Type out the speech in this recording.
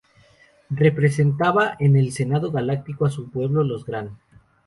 Representaba en el Senado Galáctico a su pueblo, los Gran.